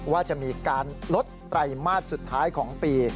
ว่าจะมีการลดไตรมาสสุดท้ายของปี